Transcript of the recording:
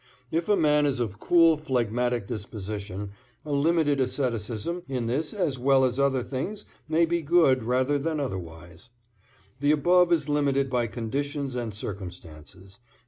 If a man be of a cool phlegmatic disposition, a limited asceticism in this as well as other things may be good rather than otherwise. The above is limited by conditions and circumstances.